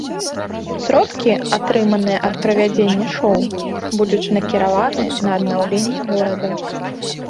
Сродкі, атрыманыя ад правядзення шоў, будуць накіраваны на аднаўленне горада.